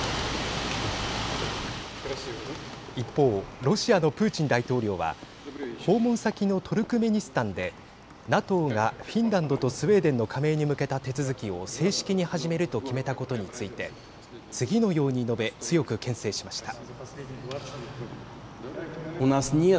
一方、ロシアのプーチン大統領は訪問先のトルクメニスタンでＮＡＴＯがフィンランドとスウェーデンの加盟に向けた手続きを正式に始めると決めたことについて次のように述べ強く、けん制しました。